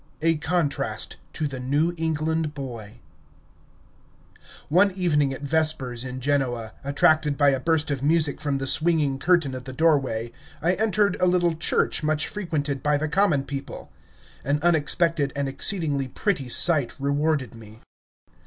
A CONTRAST TO THE NEW ENGLAND BOY One evening at vespers in Genoa, attracted by a burst of music from the swinging curtain of the doorway, I entered a little church much frequented by the common people. An unexpected and exceedingly pretty sight rewarded me.